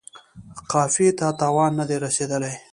قافیې ته تاوان نه دی رسیدلی.